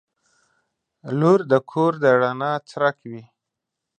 • لور د کور د رڼا څرک وي.